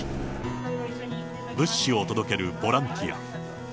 物資を届けるボランティア。